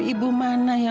ini semua demi kamu